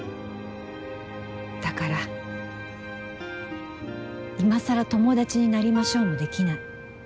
だから今さら友達になりましょうもできない。